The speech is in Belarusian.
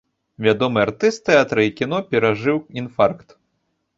Вядомы артыст тэатра і кіно перажыў інфаркт.